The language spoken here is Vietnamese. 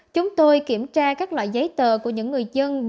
chúng tôi kiểm tra các loại giấy tờ của những người dân